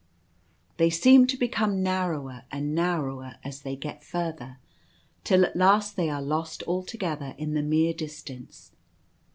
They seem to become narrower and narrower as they get further, till at last they are lost altogether in the mere distance.